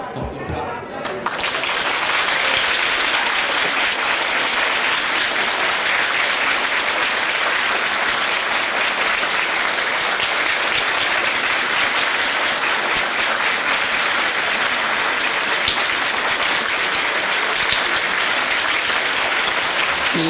ขอบคุณครับ